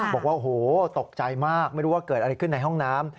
บอกว่าโอ้โหตกใจมากไม่รู้ว่าเกิดอะไรขึ้นในห้องน้ำ